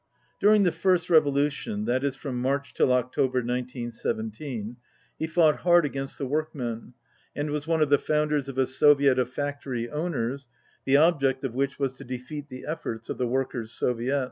During the first revolution, that is from March till October 1917, he fought hard against the workmen, and was one of the founders of a Soviet of factory owners, the object of which was to de feat the efforts of the workers' Soviets.